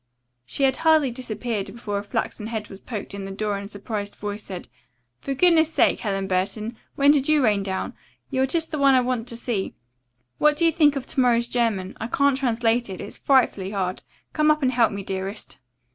She had hardly disappeared before a flaxen head was poked in the door and a surprised voice said: "For goodness sake, Helen Burton, when did you rain down? You are just the one I want to see. What do you think of to morrow's German? I can't translate it. It's frightfully hard. Come up and help me, dearest."